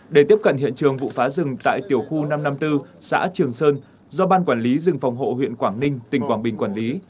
để tiếp cận hiện trường vụ phá rừng tại tiểu khu năm trăm năm mươi bốn xã trường sơn do ban quản lý rừng phòng hộ huyện quảng ninh tỉnh quảng bình quản lý